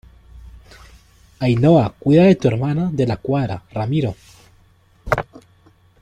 Ainhoa, cuida de tu hermana. de la Cuadra , Ramiro ,